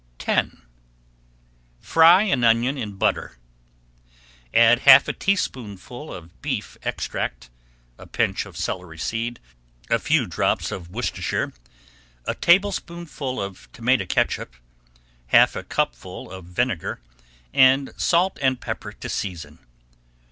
[Page 11] X Fry an onion in butter. Add half a teaspoonful of beef extract, a pinch of celery seed, a few drops of Worcestershire, a tablespoonful of tomato catsup, half a cupful of vinegar, and salt and pepper to season.